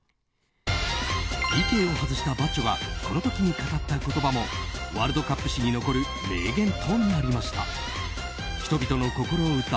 ＰＫを外したバッジョがこの時に語った言葉もワールドカップ史に残る名言となりました。